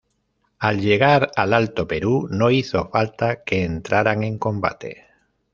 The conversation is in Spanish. Al llegar al Alto Perú, no hizo falta que entraran en combate.